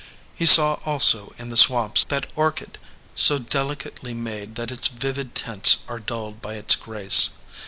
He saw also in the swamps that orchid so delicately made that its vivid tints are dulled by its grace.